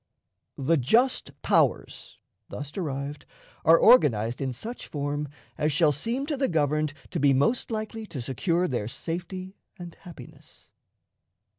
The "just powers," thus derived, are organized in such form as shall seem to the governed to be most likely to secure their safety and happiness.